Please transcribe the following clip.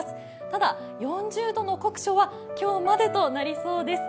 ただ、４０度の酷暑は今日までとなりそうです。